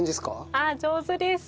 あっ上手です。